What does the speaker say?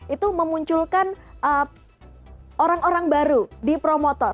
itu memunculkan orang orang baru di promotor